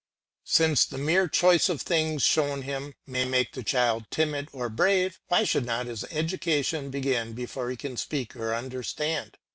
Since the mere choice of things shown him may make the child timid or brave, why should not his education begin before he can speak or understand?